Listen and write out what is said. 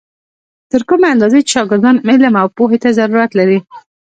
تر کومې اندازې چې شاګردان علم او پوهې ته ضرورت لري.